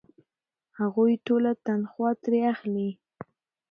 هغوی ټوله تنخوا ترې اخلي.